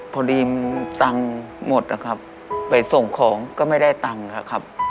พอดีตังค์หมดนะครับไปส่งของก็ไม่ได้ตังค์ครับ